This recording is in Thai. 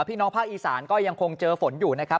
พี่น้องภาคอีสานก็ยังคงเจอฝนอยู่นะครับ